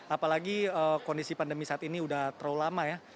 apalagi kondisi pandemi saat ini sudah terlalu lama ya